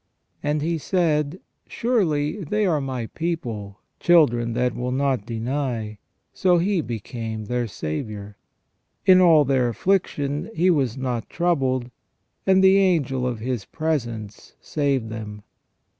" And He said : Surely they are My people, children that will not deny ; so He became their Saviour. In all their affliction He was not troubled, and the angel of His presence saved them.